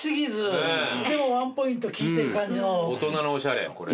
大人のおしゃれこれ。